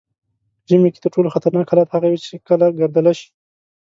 ژمي کې تر ټولو خطرناک حالت هغه وي چې کله ګردله شي.